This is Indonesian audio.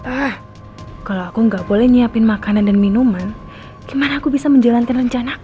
ah kalo aku gak boleh nyiapin makanan dan minuman gimana aku bisa menjalankan rencana aku